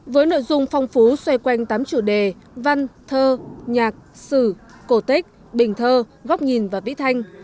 với nội dung phong phú xoay quanh tám chủ đề văn thơ nhạc sử cổ tích bình thơ góc nhìn và vĩ thanh